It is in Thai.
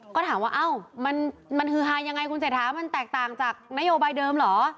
ก็ถามว่าเอ้ามันฮือฮายังไงคุณเศรษฐามันแตกต่างจากนโยบายเดิมเหรอ